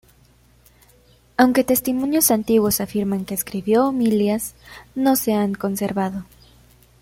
Aunque testimonios antiguos afirman que escribió homilías, no se han conservado.